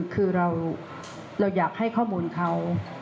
คือเราอยากให้ข้อมูลเขา